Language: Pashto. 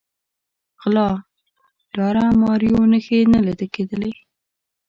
غلا، داړه ماریو نښې نه لیده کېدلې.